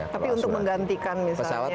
tapi untuk menggantikan misalnya